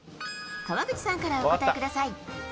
川口さんからお答えください。